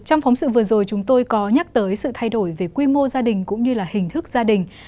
trong phóng sự vừa rồi chúng tôi có nhắc tới sự thay đổi về quy mô gia đình cũng như là hình thức gia đình